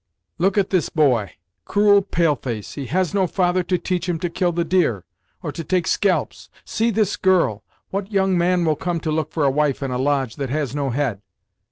"Look at this boy, cruel pale face; he has no father to teach him to kill the deer, or to take scalps. See this girl; what young man will come to look for a wife in a lodge that has no head?